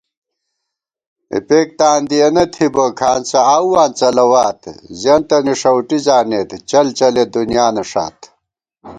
اِپېک تان دِیَنہ تھی بہ کھانڅہ آؤواں څَلَوات * زِیَنتَنی ݭؤٹی زانېت چل چلےدُنیانہ ݭات